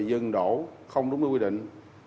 dừng đổ không đúng nơi quy định